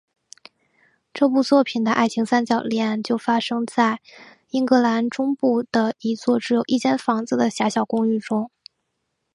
这部作品中的爱情三角恋就发生在英格兰中部的一座只有一间房子的狭小公寓中。